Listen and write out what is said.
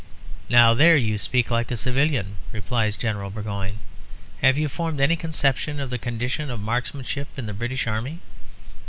"Now there you speak like a civilian," replies General Burgoyne. "Have you formed any conception of the condition of marksmanship in the British Army?"